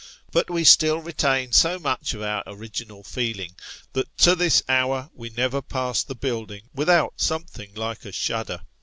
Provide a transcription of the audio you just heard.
But we still retain so much of our original feeling, that to this hour we never pass the building without something like a shudder.